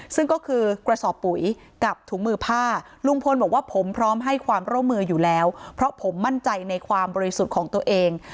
ซึ่งก็คือกระสอบปุ๋ยกับถุงมือผ้าลุงพลบอกว่าผมพร้อมให้ความร่วมมืออยู่แล้วเพราะผมมั่นใจในความบริสุทธิ์ของตัวเอง